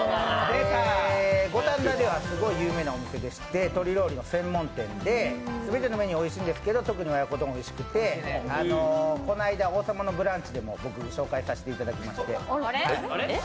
五反田ではすごい有名なお店でして鶏料理の専門店で全てのメニューがおいしいんですけど特に親子丼がおいしくて、この間、「王様のブランチ」でも僕、紹介させてもらいまして。